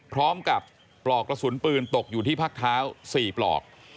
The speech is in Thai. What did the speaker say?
พร้อมกับปลอกละสุนปืนตกอยู่ที่พักเท้า๔ปลอก